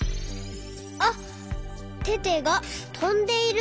あっテテがとんでいる。